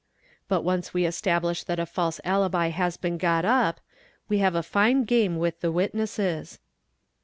But once we establish that a false alibi has been got up, we can have a fine game with the witnesses.